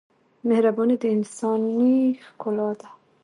مهرباني د انسانۍ ښکلا ده.